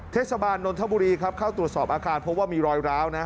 เทศบาลนนทบุรีครับเข้าตรวจสอบอาคารพบว่ามีรอยร้าวนะ